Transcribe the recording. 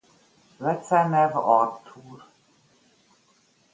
Becenev Arthur.